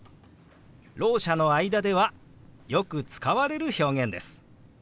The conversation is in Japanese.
ろう者の間ではよく使われる表現です。